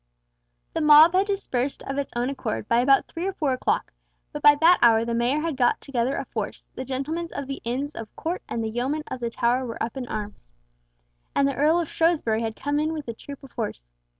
The mob had dispersed of its own accord by about three or four o'clock, but by that hour the Mayor had got together a force, the Gentlemen of the Inns of Court and the Yeomen of the Tower were up in arms, and the Earl of Shrewsbury had come in with a troop of horse.